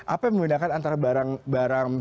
apa yang membedakan antara barang barang